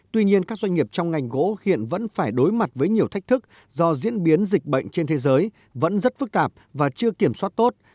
tuy nhiên các doanh nghiệp trong ngành gỗ hiện vẫn phải đối mặt với nhiều thách thức do diễn biến dịch bệnh trên thế giới vẫn rất phức tạp và chưa kiểm soát tốt